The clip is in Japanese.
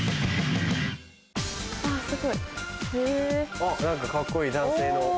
あっ何かカッコいい男性の。